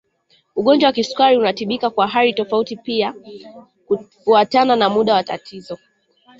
Ugonjwa wa kisukari unatibika kwa hali tofauti pia kufuatana na muda wa tatizo